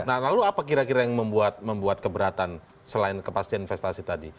nah lalu apa kira kira yang membuat keberatan selain kepastian investasi tadi